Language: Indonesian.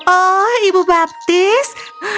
oh ibu baptis